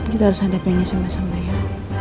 kita harus hadapinya sama sama ya